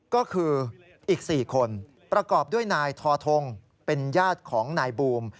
ก็คืออีก๔คนประกอบด้วยนายทอทงเป็นญาติของนายบูม